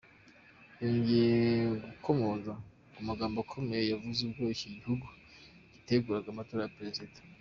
Yongeye gukomoza ku magambo akomeye yavuze ubwo iki gihugu kiteguraga amatora ya Perezida.